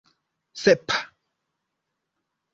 sepa